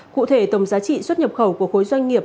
cụ thể tổng giá trị xuất nhập khẩu của khối doanh nghiệp